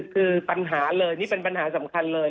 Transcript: คือปัญหาเลยนี่เป็นปัญหาสำคัญเลย